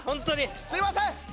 すいません！